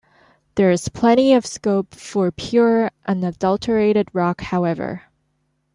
There is plenty of scope for pure, unadulterated rock however.